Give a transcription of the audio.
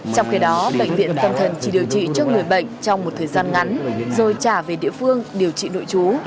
trong khi đó bệnh viện tâm thần chỉ điều trị cho người bệnh trong một thời gian ngắn rồi trả về địa phương điều trị nội chú